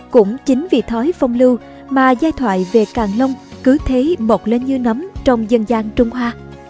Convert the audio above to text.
cũng chính vì thói phong lưu mà giai thoại về càng long cứ thế bột lên như nấm trong dân gian trung hoa